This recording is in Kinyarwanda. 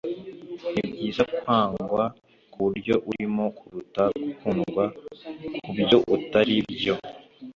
nibyiza kwangwa kubyo urimo kuruta gukundwa kubyo utari byo.